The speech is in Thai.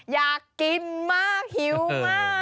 อยากกินมากหิวมาก